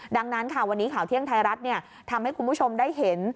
ดังนั้นค่ะวันนี้ข่าวเที่ยงไทยรัฐทำให้คุณผู้ชมได้เห็น